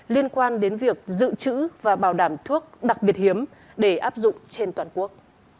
liên quan đến việc dự trữ và bảo đảm thuốc đặc biệt hiếm để áp dụng trên toàn quốc